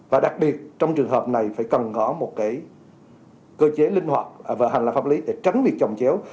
và đặc biệt trong trường hợp này phải cần có một cái cơ chế linh hoạt và hành lạc pháp lý để tránh việc chồng chéo